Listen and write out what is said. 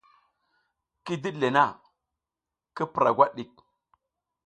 Ki diɗ le na, ki pura gwat ɗik !